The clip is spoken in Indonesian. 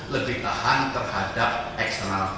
lebih tahan terhadap eksternal